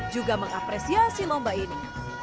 juga mengapresiasi lomba ini